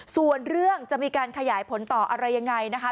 ส่วนเรื่องจะมีการขยายผลต่ออะไรยังไงนะคะ